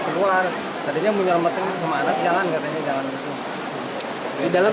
keluarga ada sembilan